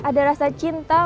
saya ngerasa ada rasa cinta